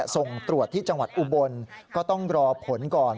ส่งตรวจที่จังหวัดอุบลก็ต้องรอผลก่อน